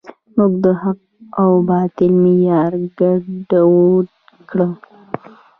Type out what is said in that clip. موږ د حق و باطل معیار ګډوډ کړی.